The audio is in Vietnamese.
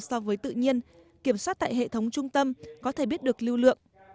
so với tự nhiên kiểm soát tại hệ thống trung tâm có thể biết được lưu lượng